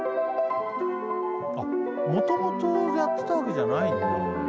もともとやってたわけじゃないんだ。